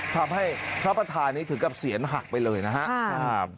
ทำให้ทัพปทานี้ถึงกับเศียรหักไปเลยนะฮะครับ